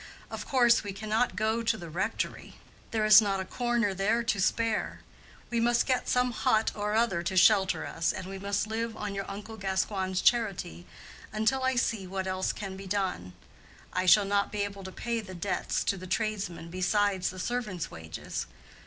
Of course we cannot go to the rectory—there is not a corner there to spare. We must get some hut or other to shelter us, and we must live on your uncle Gascoigne's charity, until I see what else can be done. I shall not be able to pay the debts to the tradesmen besides the servants' wages.